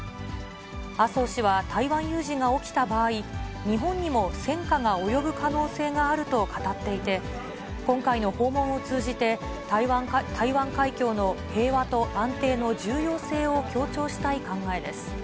麻生氏は、台湾有事が起きた場合、日本にも戦火が及ぶ可能性があると語っていて、今回の訪問を通じて、台湾海峡の平和と安定の重要性を強調したい考えです。